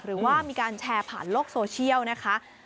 หรือว่ามีการแชร์ผ่านโลกโซเชียลนะคะ